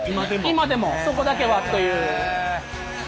今でも底だけはという。